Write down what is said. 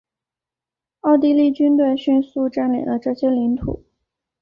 奥地利军队迅速占领了这些领土。